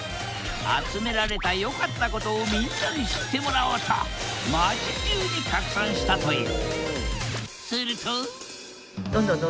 集められた良かったことをみんなに知ってもらおうと街じゅうに拡散したという。